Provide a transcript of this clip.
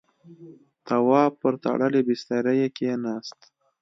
تواب پر تړلی بسترې کېناست.